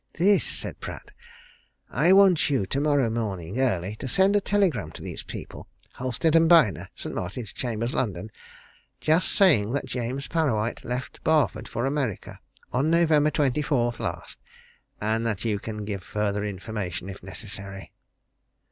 "This!" said Pratt. "I want you, tomorrow morning, early, to send a telegram to these people, Halstead & Byner, St. Martin's Chambers, London, just saying that James Parrawhite left Barford for America on November 24th last, and that you can give further information if necessary."